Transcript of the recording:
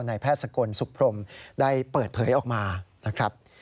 ในแพทย์สกลสุขพรมได้เปิดเผยออกมา